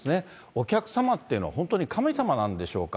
お客様っていうのは本当に神様なんでしょうか。